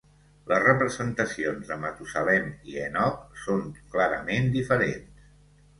Les representacions de Matusalem i Henoc són clarament diferents.